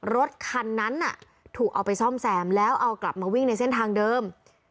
รถคันนั้นถูกเอาไปซ่อมแซมแล้วเอากลับมาวิ่งในเส้นทางเดิม